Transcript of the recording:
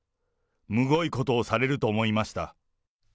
むごいことをされると思いました。